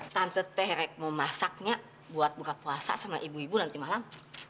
tante terek mau masaknya buat buka puasa sama ibu ibu nanti malam